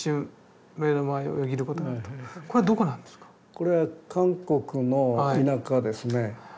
これは韓国の田舎ですね。